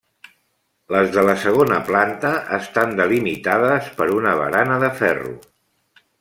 Les de la segona planta estan delimitades per una barana de ferro.